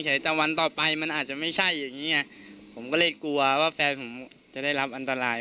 แต่วันต่อไปมันอาจจะไม่ใช่อย่างงี้ไงผมก็เลยกลัวว่าแฟนผมจะได้รับอันตราย